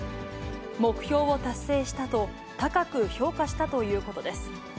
目標を達成したと、高く評価したということです。